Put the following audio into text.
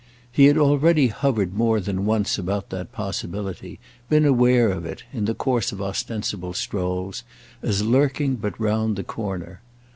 He had already hovered more than once about that possibility, been aware of it, in the course of ostensible strolls, as lurking but round the corner.